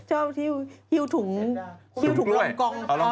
หิวถุงกร้องกรองกรอง